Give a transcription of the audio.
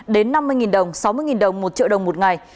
đến năm mươi đồng sáu mươi đồng một triệu đồng một ngày